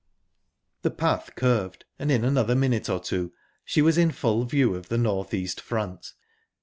The path curved, and in another minute or two she was in full view of the north east front.